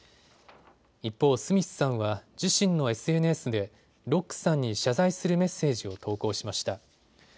一方、スミスさんは自身のＳＮＳでロックさんに謝罪するメッセージを投稿しました。